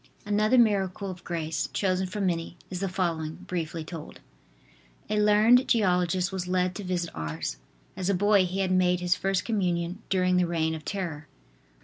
Another miracle of grace, chosen from many, is the following, briefly told: A learned geologist was led to visit Ars. As a boy he had made his First Communion during the reign of terror.